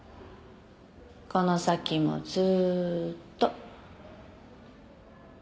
この先もずーっと。